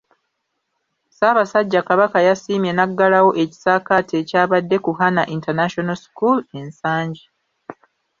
Ssaabasajja Kabaka yasiimye n’aggalawo ekisaakaate ekyabadde ku Hana International School e Nsangi.